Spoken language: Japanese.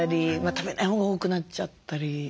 食べないほうが多くなっちゃったり。